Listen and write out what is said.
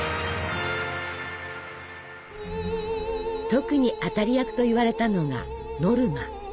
特に当たり役といわれたのが「ノルマ」。